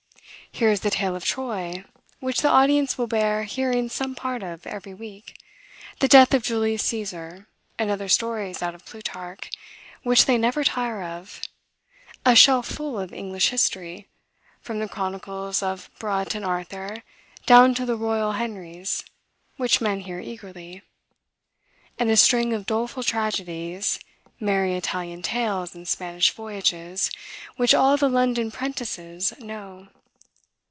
Here is the Tale of Troy, which the audience will bear hearing some part of every week; the Death of Julius Caesar, and other stories out of Plutarch, which they never tire of; a shelf full of English history, from the chronicles of Brut and Arthur, down to the royal Henries, which men hear eagerly; and a string of doleful tragedies, merry Italian tales, and Spanish voyages, which all the London 'prentices know.